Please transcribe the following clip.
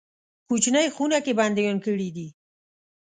کوچنۍ خونه کې بندیان کړي دي.